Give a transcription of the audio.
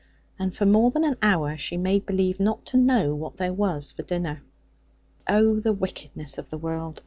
And for more than an hour she made believe not to know what there was for dinner. 'Oh, the wickedness of the world!